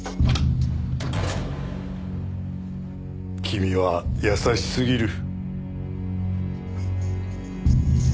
君は優しすぎる。